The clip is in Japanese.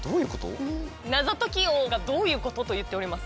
謎解き王が、どういうこと？と言っております。